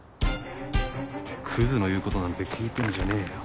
クズの言うことなんて聞いてんじゃねえよ。